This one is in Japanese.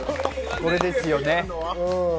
これですよね。